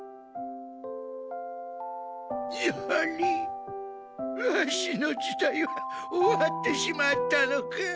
やはりワシの時代は終わってしまったのか。